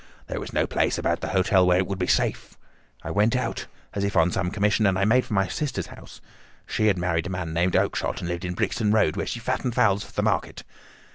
There was no place about the hotel where it would be safe. I went out, as if on some commission, and I made for my sister's house. She had married a man named Oakshott, and lived in Brixton Road, where she fattened fowls for the market.